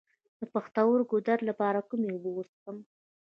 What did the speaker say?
د پښتورګو د درد لپاره کومې اوبه وڅښم؟